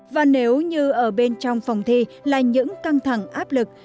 và nếu như ở bên trong phòng thi là những căng thẳng áp lực